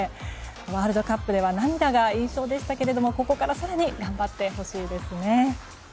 ワールドカップでは涙が印象でしたがここから更に頑張ってほしいですね。